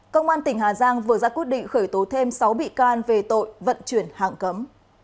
công an tỉnh hà giang vừa ra quyết định khởi tố thêm sáu bị can về tội vận chuyển hạng cấm